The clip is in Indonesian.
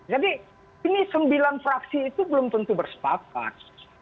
jadi ini sembilan fraksi itu belum tentu bersepakat